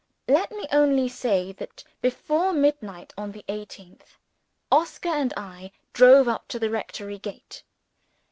Let me only say that, before midnight on the eighteenth, Oscar and I drove up to the rectory gate.